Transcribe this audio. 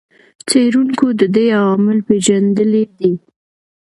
څېړونکو د دې عوامل پېژندلي دي.